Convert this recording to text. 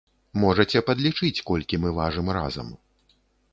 Можаце падлічыць, колькі мы важым разам.